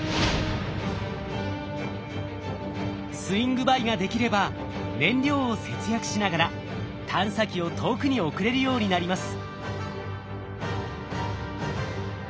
スイングバイができれば燃料を節約しながら探査機を遠くに送れるようになります。